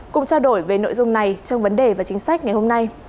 cùng trao đổi về nội dung này trong vấn đề và chính sách ngày hôm nay